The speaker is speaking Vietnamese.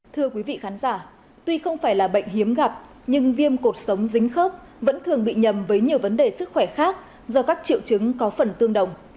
thưa quý vị khán giả tuy không phải là bệnh hiếm gặp nhưng viêm cột sống dính khớp vẫn thường bị nhầm với nhiều vấn đề sức khỏe khác do các triệu chứng có phần tương đồng